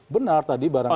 benar tadi barangkali